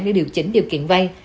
để điều chỉnh điều kiện vay